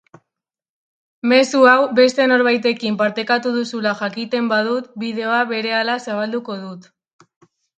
Mezu hau beste norbaitekin partekatu duzula jakiten badut, bideoa berehala zabalduko dut.